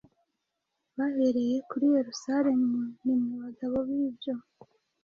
bahereye kuri Yerusalemu. Ni mwe bagabo b’ibyo.”.